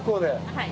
はい。